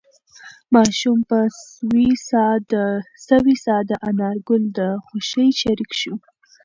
ماشوم په سوې ساه د انارګل د خوښۍ شریک شو.